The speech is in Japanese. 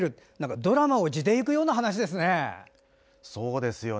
ドラマを地でいくような話ですね。